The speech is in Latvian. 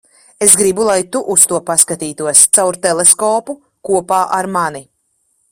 Es gribu, lai tu uz to paskatītos caur teleskopu - kopā ar mani.